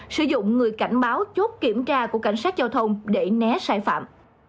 sử dụng người cảnh báo chốt kiểm tra của cảnh sát giao thông để né sai phạm